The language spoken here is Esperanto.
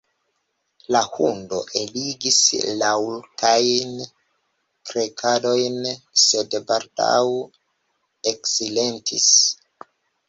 La hundo eligis raŭkajn blekadojn, sed baldaŭ eksilentis.